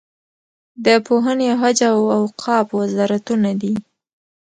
د پوهنې او حج او اوقافو وزارتونه دي.